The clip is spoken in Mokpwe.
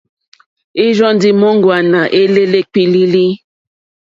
Ìrzɔ́ ndí móŋɡòáná éělélé kpílílílí.